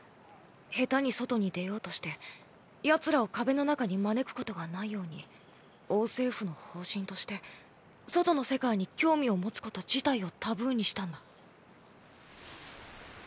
下手に外に出ようとしてヤツらを壁の中に招くことがないように王政府の方針として外の世界に興味を持つこと自体をタブーにしたんだ。